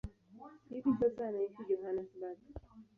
Hivi sasa anaishi Johannesburg.